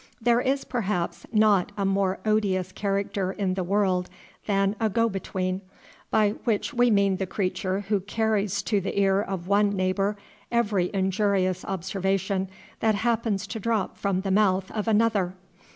There is, perhaps, not a more odious character in the world than a go between, by which we mean the creature who carries to the ear of one neighbor every injurious observation that happens to drop from the mouth of another.